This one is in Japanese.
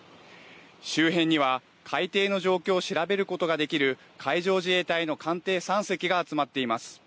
周辺には海底の状況を調べることができる海上自衛隊の艦艇３隻が集まっています。